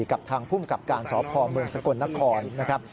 กับทางภูมิกับการสพเมืองสกลนครนะครับ